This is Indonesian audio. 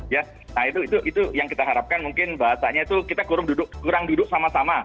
ya nah itu itu itu yang kita harapkan mungkin bahasanya itu kita kurang duduk kurang duduk sama sama